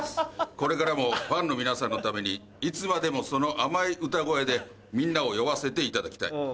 これからもファンの皆さんのためにいつまでもその甘い歌声でみんなを酔わせていただきたい。